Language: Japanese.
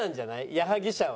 矢作舎は。